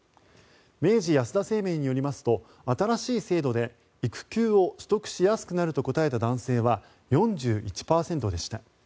明治安田生命によりますと新しい制度で育休を取得しやすくなると答えた男性は４１％でした。